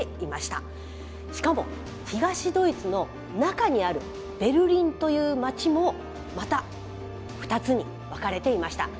しかも東ドイツの中にあるベルリンという街もまた２つに分かれていました。